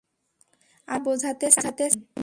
আমি তা বোঝাতে চাইনি।